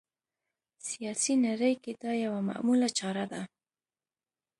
سیاسي نړۍ کې دا یوه معموله چاره ده